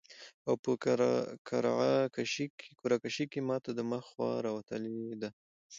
او په قرعه کشي کي ماته د مخ خوا راوتلي ده